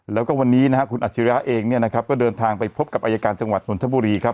แล้วก็วันนี้คุณอัชิระเองก็เดินทางไปพบกับอายการจังหวัดบนทบุรีครับ